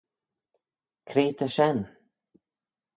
Cre ta shen?